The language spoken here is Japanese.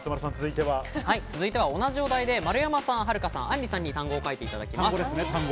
続いては、同じお題で丸山さん、はるかさん、あんりさんに単語を書いていただきます。